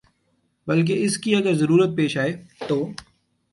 بلکہ اس کی اگر ضرورت پیش آئے تو